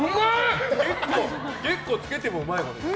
結構つけてもうまいわ。